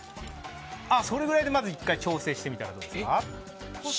それぐらいで１回調整してみたらどうですか。